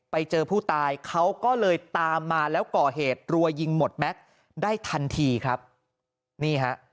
ไปเจอผู้ตายเขาก็เลยตามมาแล้วก่อเหตุรัวยิงหมดแม็กซ์ได้ทันทีครับนี่ฮะ